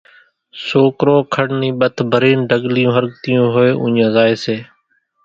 سوڪرو کڙ نِي ٻٿ ڀرين ڍڳليون ۿرڳتيون ھوئي اُوڃان زائي سي